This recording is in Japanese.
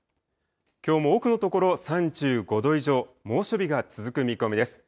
きょうも多くの所、３５度以上、猛暑日が続く見込みです。